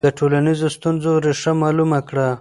د ټولنیزو ستونزو ریښه معلومه کړه.